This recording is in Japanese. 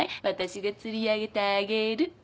私が釣り上げてあげる。